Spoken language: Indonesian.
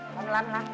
mau ngelam lah